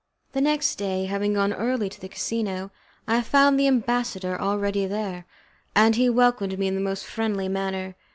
The next day, having gone early to the casino, I found the ambassador already there, and he welcomed me in the most friendly manner.